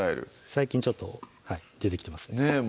最近ちょっと出てきますねぇ